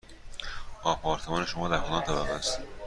آپارتمان شما در کدام طبقه است؟